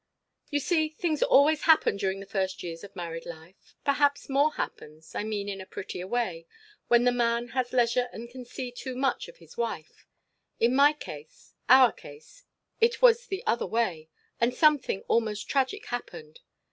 "You see, things always happen during the first years of married life. Perhaps more happens I mean in a pettier way when the man has leisure and can see too much of his wife. In my case our case it was the other way and something almost tragic happened.